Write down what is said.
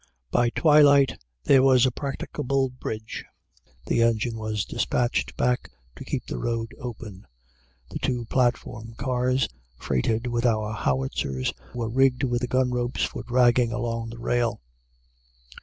By twilight there was a practicable bridge. The engine was dispatched back to keep the road open. The two platform cars, freighted with our howitzers, were rigged with the gun ropes for dragging along the rail.